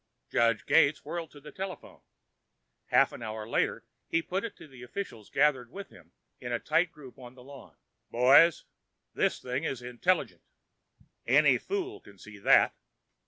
Judge Gates whirled to the telephone. Half an hour later, he put it to the officials gathered with him in a tight group on the lawn. "Boys, this thing is intelligent; any fool can see that.